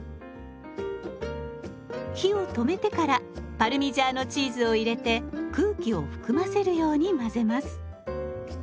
火を止めてからパルミジャーノチーズを入れて空気を含ませるように混ぜます。